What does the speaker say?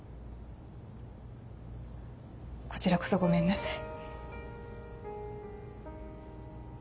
こちらこそごめんなさい。